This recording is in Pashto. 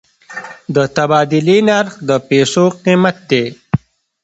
د تبادلې نرخ د پیسو قیمت دی.